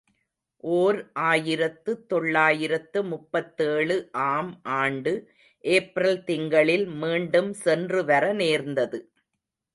ஓர் ஆயிரத்து தொள்ளாயிரத்து முப்பத்தேழு ஆம் ஆண்டு ஏப்ரல் திங்களில் மீண்டும் சென்று வர நேர்ந்தது.